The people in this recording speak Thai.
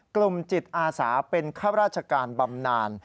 กลุ่มจิตอาสาเป็นข้าราชการบำนาน